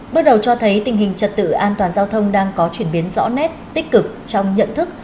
bước đầu cho thấy tình hình trật tự an toàn giao thông đang có chuyển biến rõ nét tích cực trong nhận thức